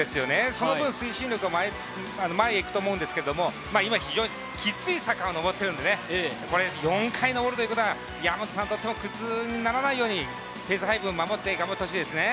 その分、推進力が前へいくと思うんですけれども、今、非常にきつい坂を上っているので、４回上るということは大和さんにとっても苦痛にならないようにペース配分守って走ってほしいですね。